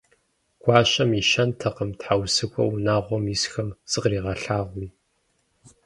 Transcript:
Гуащэм и щэнтэкъым тхьэусыхэу унагъуэм исхэм закъригъэлъагъуу.